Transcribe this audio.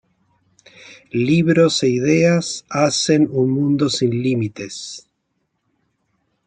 Libros e ideas hacen un mundo sin límites.